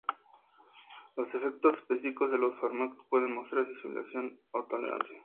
Los efectos específicos de los fármacos pueden mostrar sensibilización o tolerancia.